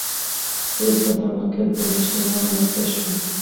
وروسته دا مرکز د نشه یانو مرکز شو.